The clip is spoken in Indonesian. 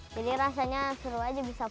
jadi rasanya seru aja bisa foto